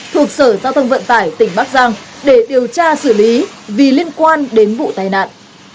thuộc sở giao thông vận tải tỉnh bắc giang để điều tra xử lý vì liên quan đến vụ tai nạn